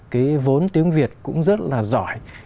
cái vốn tiếng việt cũng rất là giỏi